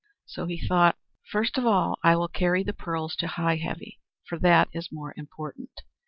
So he thought, "First of all I will carry the pearls to Heigh Heavy, for that is more important."